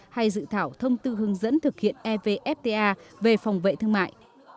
hay dự thảo thông tư hướng dẫn thực hiện evfta về phòng vệ thương mại